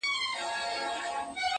ه زه د دوو مئينو زړو بړاس يمه~